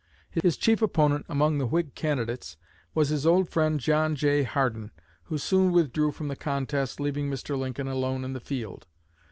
His chief opponent among the Whig candidates was his old friend John J. Hardin, who soon withdrew from the contest, leaving Mr. Lincoln alone in the field.